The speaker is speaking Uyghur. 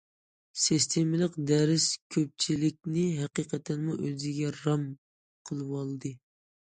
سىستېمىلىق دەرس كۆپچىلىكنى ھەقىقەتەنمۇ ئۆزىگە رام قىلىۋالدى.